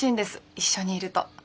一緒にいると。